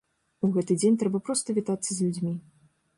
У гэты дзень трэба проста вітацца з людзьмі.